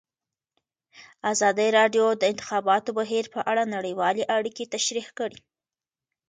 ازادي راډیو د د انتخاباتو بهیر په اړه نړیوالې اړیکې تشریح کړي.